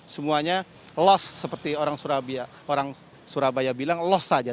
semuanya loss seperti orang surabaya bilang loss saja